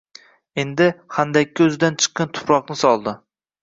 Endi, xandaqqa o‘zidan chiqqan tuproqni soldi.